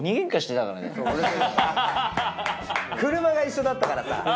車が一緒だったからさ。